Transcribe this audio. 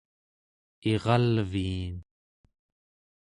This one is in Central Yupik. iralviin